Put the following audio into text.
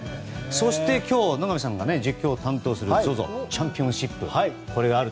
そして今日野上さんが実況を担当するＺＯＺＯチャンピオンシップ。